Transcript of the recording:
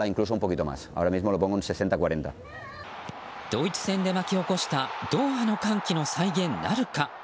ドイツ戦で巻き起こしたドーハの歓喜の再現なるか。